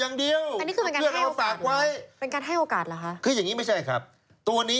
อย่างแฟนอย่างเอมี่ไง